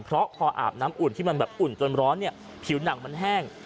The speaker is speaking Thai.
เพราะพออาบน้ำอุ่นที่มันแบบอุ่นจนร้อนเนี่ยผิวหนังมันแห้ง